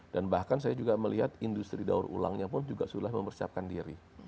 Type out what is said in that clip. bahkan saya juga melihat industri daur ulangnya pun juga sudah mempersiapkan diri